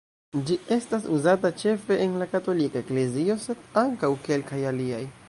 Ĝi estas uzata ĉefe en la katolika eklezio, sed ankaŭ kelkaj aliaj.